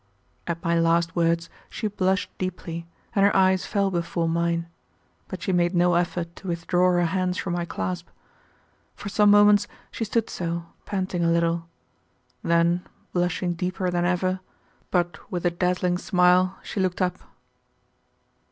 At my last words she blushed deeply and her eyes fell before mine, but she made no effort to withdraw her hands from my clasp. For some moments she stood so, panting a little. Then blushing deeper than ever, but with a dazzling smile, she looked up.